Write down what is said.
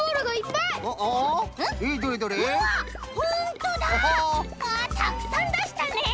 たくさんだしたね！